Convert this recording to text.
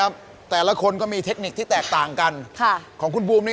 มันมากับดวงค่ะของผม